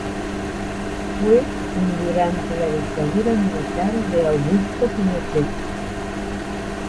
Fue un durante la dictadura militar de Augusto Pinochet.